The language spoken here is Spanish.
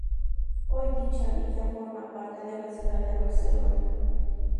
Hoy, dicha villa forma parte de la ciudad de Barcelona.